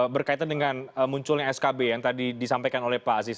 berkaitan dengan munculnya skb yang tadi disampaikan oleh pak aziz